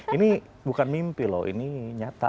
ini bukan mimpi loh ini nyata